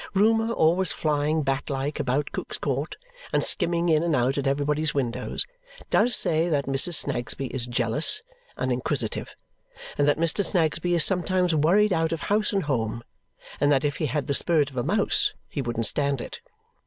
Rumour, always flying bat like about Cook's Court and skimming in and out at everybody's windows, does say that Mrs. Snagsby is jealous and inquisitive and that Mr. Snagsby is sometimes worried out of house and home, and that if he had the spirit of a mouse he wouldn't stand it.